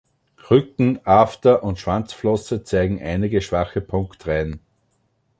Rücken-, After- und Schwanzflosse zeigen einige schwache Punktreihen.